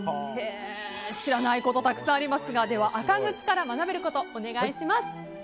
知らないことたくさんありますがアカグツから学べることお願いします。